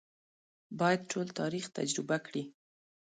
باید ټول تاریخ تجربه کړي.